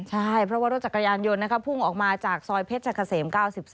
ใช่เพราะว่ารถจักรยานยนต์พุ่งออกมาจากซอยเพชรเกษม๙๒